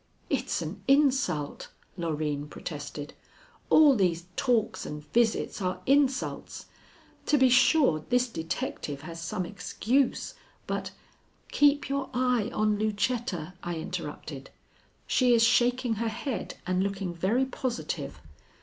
"It's an insult," Loreen protested. "All these talks and visits are insults. To be sure, this detective has some excuse, but " "Keep your eye on Lucetta," I interrupted. "She is shaking her head and looking very positive.